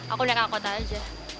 aku naik angkota aja